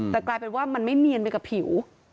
แต่กลายเป็นว่ามันไม่เนียนไปกับผิว